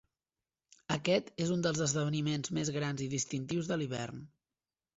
Aquest és un dels esdeveniments més grans i distintius de l'hivern.